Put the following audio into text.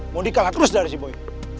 mondi kalah terus dari si boy